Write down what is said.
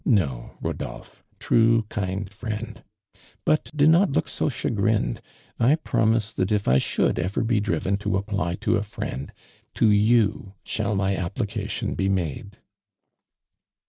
No, Kodolple, true, kind friend ; but do not look so chagrined, 1 promise that if 1 should ever be driven to apply to a friend, to you shall my applica tion be made."